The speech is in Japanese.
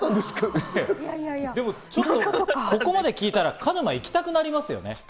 いやいや、ここまで聞いたら鹿沼に行きたくなりますよね。